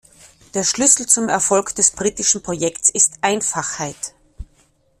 Der Schlüssel zum Erfolg des britischen Projekts ist Einfachheit.